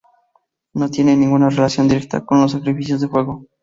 No tiene ninguna relación directa con los sacrificios de fuego.